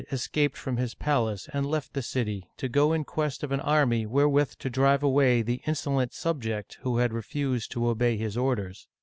escaped from his palace and left the city to go in quest of an army wherewith to drive away the insolent sub lect who had refused to obey his orders.